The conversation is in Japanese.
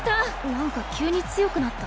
なんか急に強くなった？